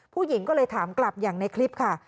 ผู้หญิงก็เลยถามกลับอย่างในคลิปค่ะ